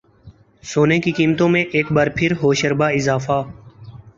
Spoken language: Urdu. سونے کی قیمتوں میں ایک بار پھر ہوشربا اضافہ